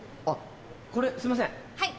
これすいません。